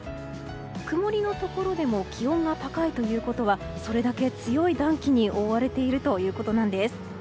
曇りのところでも気温が高いということはそれだけ強い暖気に覆われているということです。